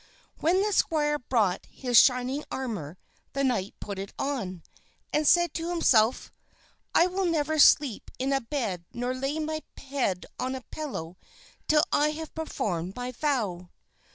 When the squire brought his shining armor, the knight put it on, and said to himself, "I will never sleep in a bed nor lay my head on a soft pillow till I have performed my vow."